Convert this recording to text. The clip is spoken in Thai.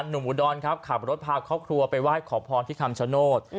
อุดรครับขับรถพาครอบครัวไปไหว้ขอพรที่คำชโนธ